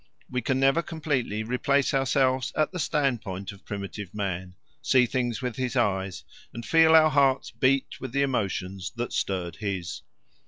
We can never completely replace ourselves at the standpoint of primitive man, see things with his eyes, and feel our hearts beat with the emotions that stirred his.